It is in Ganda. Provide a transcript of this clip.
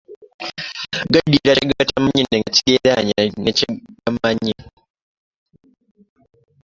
Gaddira kye gatamanyi ne gakigeranya ne kye gamanyi.